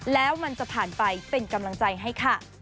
แล้วมันจะผ่านไปเป็นกำลังใจให้ค่ะ